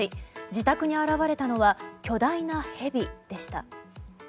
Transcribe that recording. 自宅に現れたのは巨大なヘビでした。